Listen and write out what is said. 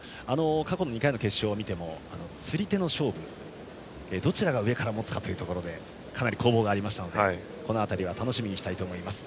過去２回の決勝を見ても釣り手の勝負どちらが上から持つかでかなり攻防がありましたので楽しみにしたいと思います。